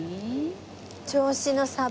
銚子のサバ。